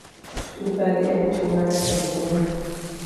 Mibadhi en tim marach ahinya ma